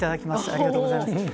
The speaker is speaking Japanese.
ありがとうございます。